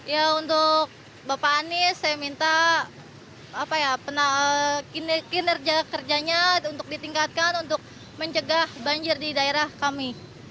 ya untuk bapak anies saya minta kinerja kerjanya untuk ditingkatkan untuk mencegah banjir di daerah kami